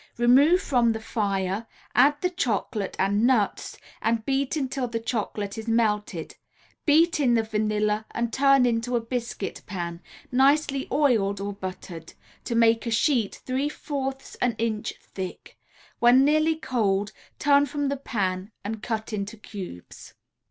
Remove from the fire, add the chocolate and nuts and beat until the chocolate is melted; beat in the vanilla and turn into a biscuit pan, nicely oiled or buttered, to make a sheet three fourths an inch thick. When nearly cold turn from the pan and cut into cubes.